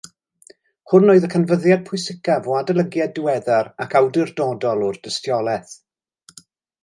Hwn oedd y canfyddiad pwysicaf o adolygiad diweddar ac awdurdodol o'r dystiolaeth